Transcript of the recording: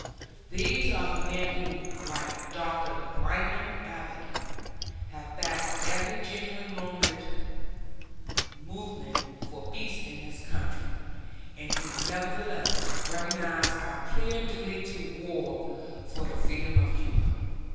These are the men who, like Dr. Lyman Abbott, have backed every genuine movement for peace in this country, and who nevertheless recognized our clear duty to war for the freedom of Cuba.